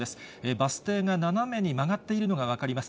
バス停が斜めに曲がっているのが分かります。